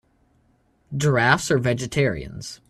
Giraffes are vegetarians.